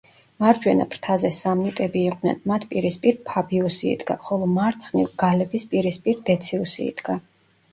მარჯვენა ფრთაზე სამნიტები იყვნენ, მათ პირისპირ ფაბიუსი იდგა, ხოლო მარცხნივ გალების პირისპირ დეციუსი იდგა.